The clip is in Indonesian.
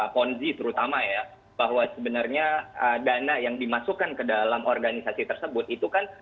ponzi terutama ya bahwa sebenarnya dana yang dimasukkan ke dalam organisasi tersebut itu kan